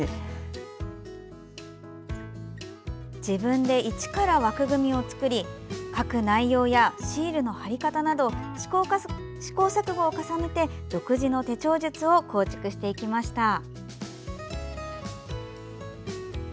自分で一から枠組みを作り書く内容やシールの貼り方など試行錯誤を重ね、独自の手帳術を構築していきました。